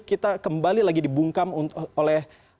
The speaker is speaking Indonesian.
kita kembali lagi dibungkam oleh